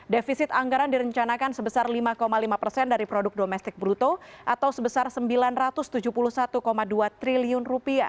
defisit anggaran direncanakan sebesar lima lima persen dari produk domestik bruto atau sebesar rp sembilan ratus tujuh puluh satu dua triliun